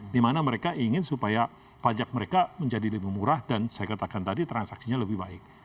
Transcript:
dimana mereka ingin supaya pajak mereka menjadi lebih murah dan saya katakan tadi transaksinya lebih baik